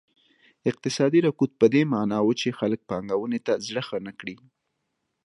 اقتصادي رکود په دې معنا و چې خلک پانګونې ته زړه نه ښه کړي.